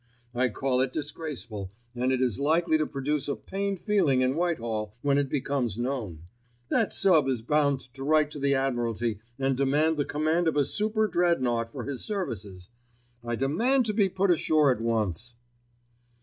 I call it disgraceful, and it is likely to produce a pained feeling in Whitehall when it becomes known. That sub. is bound to write to the Admiralty and demand the command of a Super Dreadnought for his services. I demand to be put ashore at once."